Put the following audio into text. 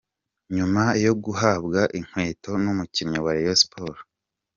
Nyuma yo guhabwa inkweto numukinnyi wa Rayon Sports,.